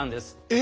え！